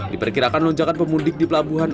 diperkirakan lonjakan pemudik di pelabuhan